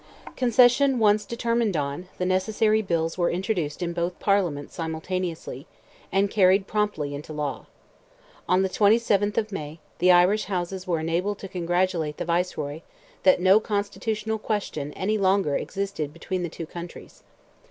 Concession once determined on, the necessary bills were introduced in both Parliaments simultaneously, and carried promptly into law. On the 27th of May, the Irish Houses were enabled to congratulate the Viceroy that "no constitutional question any longer existed between the two countries."